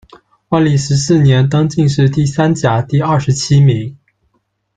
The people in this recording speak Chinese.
万历十四年，登进士第三甲第二十七名。